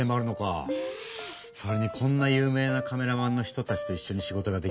それにこんな有名なカメラマンの人たちといっしょに仕事ができるなんて光栄だよ。